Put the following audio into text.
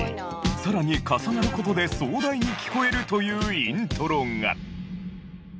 更に重なる事で壮大に聞こえるというイントロが。